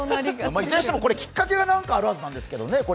いずれにしてもきっかけがあるはずなんですけどね。